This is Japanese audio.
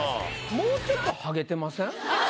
もうちょっとハゲてません？